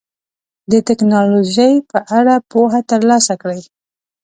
د ټکنالوژۍ په اړه پوهه ترلاسه کړئ.